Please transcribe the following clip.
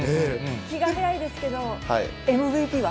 気が早いですけど、ＭＶＰは？